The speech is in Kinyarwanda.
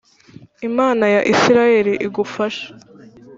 Imana ya Isirayeli igufashe